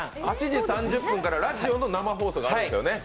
８時３０分からラジオの生放送があるんですよね。